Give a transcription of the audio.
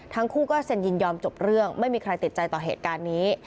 ทั้งคู่ก็เซ็นยินยอมจบเรื่องไม่มีใครติดใจต่อเหตุการณ์นี้